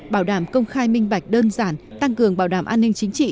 bảo đảm công khai minh bạch đơn giản tăng cường bảo đảm an ninh chính trị